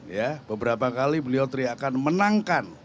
ya beberapa kali beliau teriakan menangkan